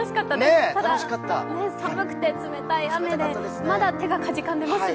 楽しかった、ただ、寒くて冷たい雨でまだ手がかじかんでますね。